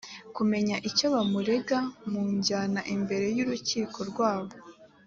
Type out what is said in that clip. kumenya icyo bamurega mujyana imbere y urukiko rwabo